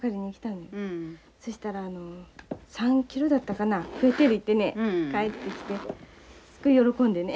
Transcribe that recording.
そしたらあの３キロだったかな増えてる言ってね帰ってきてすごい喜んでね。